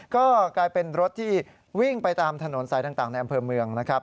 ก็กลายเป็นรถที่วิ่งไปตามถนนสายต่างในอำเภอเมืองนะครับ